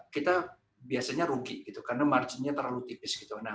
kita biasanya rugi karena marginnya terlalu tipis